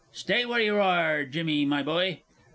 Stay where you are, Jimmy, my boy.